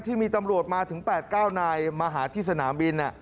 ที่มีตำรวจมาถึง๘๙นายมาหาที่สนามบิน